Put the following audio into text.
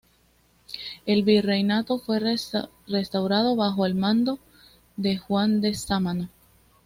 El virreinato fue restaurado bajo el mando de Juan de Sámano.